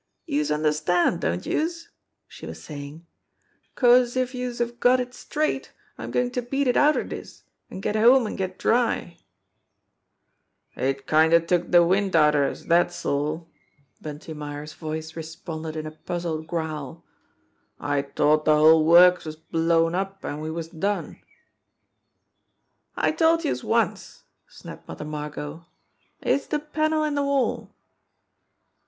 . Youse understand, don't youse?" she was saying. " 'Cause if youse have got it straight, I'm goin' to beat it outer dis, an' get home an' get dry." "It kinder took de wind outer us, dat's all !" Bunty Myers' 112 JIMMIE DALE AND THE PHANTOM CLUE voice responded in a puzzled growl. "I t'ought de whole works was blown up an' we was done!" "I told youse once," snapped Mother Margot. "It's de panel in de wall."